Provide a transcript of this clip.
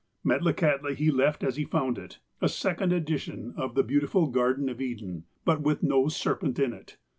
Metlakahtla he left as he found it, a second edition of the beautiful Garden of Eden, but with no serpent in it.